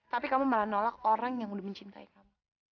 tapi kamu malah nolak orang yang udah mencintai kamu